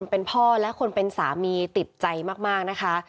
เป็นพ่อและคนเป็นสามีติดใจมากนะคะ